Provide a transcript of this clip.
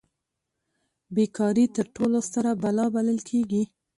بې کاري تر ټولو ستره بلا بلل کیږي.